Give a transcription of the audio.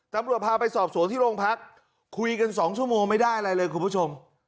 ตำรวจพาไปสอบสวนที่โรงพักคุยกัน๒ชั่วโมงไม่ได้อะไรเลยคุณผู้ชม